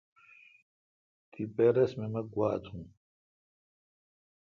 تیپہ رس می مہ گوا تھم۔